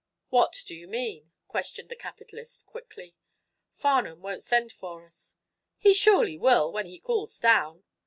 "What do you mean?" questioned the capitalist, quickly. "Farnum won't send for us." "He surely will, when he cools down."